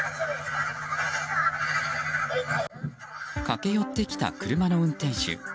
駆け寄ってきた車の運転手。